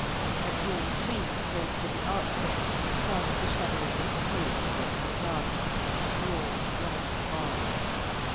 A tall tree, close to the archway, cast the shadow of its trunk across the path a broad black bar.